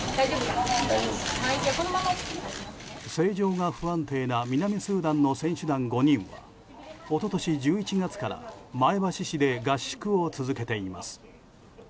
政情が不安定な南スーダンの選手団５人は一昨年１１月から前橋市で合宿を続けています。